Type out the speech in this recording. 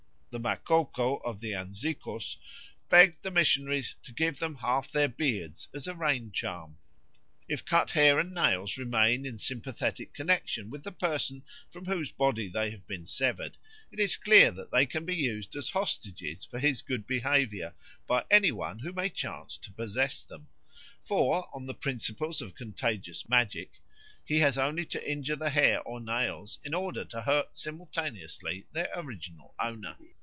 The Makoko of the Anzikos begged the missionaries to give him half their beards as a rain charm. If cut hair and nails remain in sympathetic connexion with the person from whose body they have been severed, it is clear that they can be used as hostages for his good behaviour by any one who may chance to possess them; for on the principles of contagious magic he has only to injure the hair or nails in order to hurt simultaneously their original owner.